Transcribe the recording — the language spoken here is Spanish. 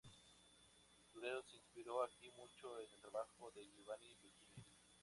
Durero se inspiró aquí mucho en el trabajo de Giovanni Bellini.